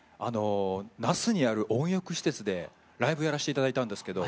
那須にある温浴施設でライブやらしていただいたんですけど。